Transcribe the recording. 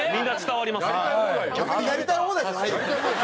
「やりたい放題」じゃないよ。